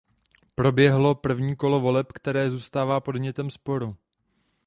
Proběhlo první kolo voleb, které zůstává předmětem sporu.